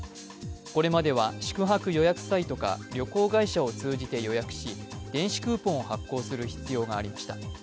これまでは宿泊予約サイトか旅行会社を通じて予約し電子クーポンを発行する必要がありました。